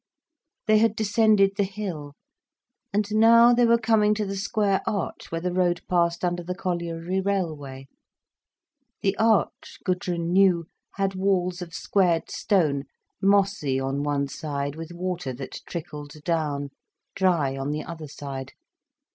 They had descended the hill, and now they were coming to the square arch where the road passed under the colliery railway. The arch, Gudrun knew, had walls of squared stone, mossy on one side with water that trickled down, dry on the other side.